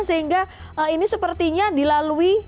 sehingga ini sepertinya dilalui